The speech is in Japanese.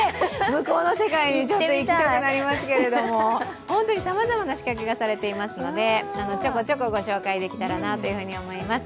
向こうの世界に行きたくなりますけど、本当にさまざまな仕掛けがされていますので、ちょこちょこご紹介できたらなと思います。